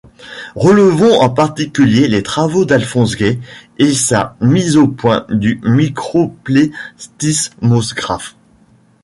Relevons en particulier les travaux d'Alphonse Gay et sa mise au point du Micropléthysmographe.